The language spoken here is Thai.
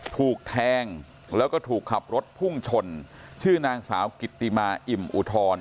ถูกแทงแล้วก็ถูกขับรถพุ่งชนชื่อนางสาวกิตติมาอิ่มอุทร